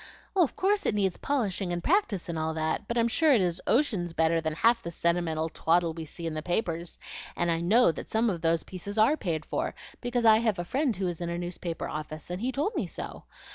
"Of course it needs polishing and practice and all that; but I'm sure it is oceans better than half the sentimental twaddle we see in the papers, and I KNOW that some of those pieces ARE paid for, because I have a friend who is in a newspaper office, and he told me so.